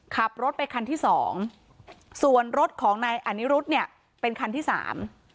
ขับรถไปคันที่สองส่วนรถของนายอนิรุธเนี่ยเป็นคันที่สาม